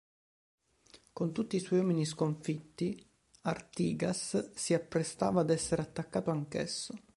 Con tutti i suoi uomini sconfitti, Artigas si apprestava ad essere attaccato anch'esso.